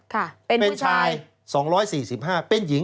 ค่ะเป็นผู้ชายเป็นชาย๒๔๕เป็นหญิง๘๐